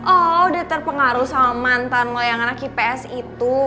oh udah terpengaruh sama mantan loyang anak ips itu